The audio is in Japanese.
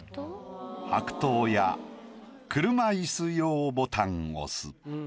「白桃や車いす用ボタン押す」。